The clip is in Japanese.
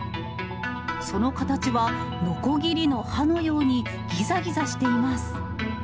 その形はのこぎりの歯のようにぎざぎざしています。